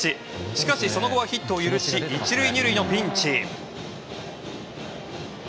しかし、その後はヒットを許し１塁２塁のピンチ。